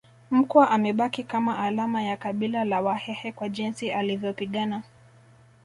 Mkwa amebaki kama alama ya kabila la Wahehe kwa jinsi alivyopigana